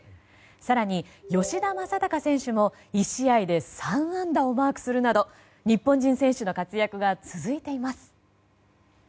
更に、吉田正尚選手も１試合で３安打をマークするなど日本人選手の活躍が続いています。